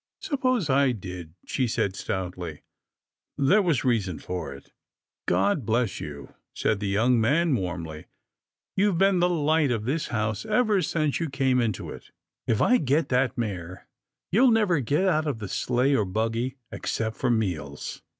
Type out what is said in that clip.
" Suppose I did," she said stoutly, " there was reason in it." " God bless you," said the young man warmly. " You've been the light of this house ever since you came into it. If I get that mare, you'll never get out of the sleigh or buggy, except for meals."